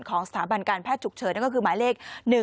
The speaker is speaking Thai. สถาบันการแพทย์ฉุกเฉินนั่นก็คือหมายเลข๑๒